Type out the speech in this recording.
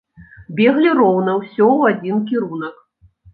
Беглі роўна, усё ў адзін кірунак.